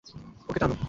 ওকে, টানো।